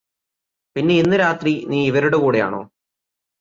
പിന്നെ ഇന്ന് രാത്രി നീ ഇവരുടെ കൂടെയാണോ